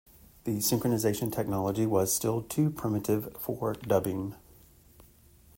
The synchronization technology was still too primitive for dubbing.